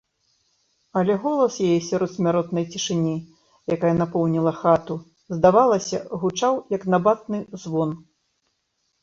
Але голас яе сярод смяротнай цішыні, якая напоўніла хату, здавалася, гучаў як набатны звон.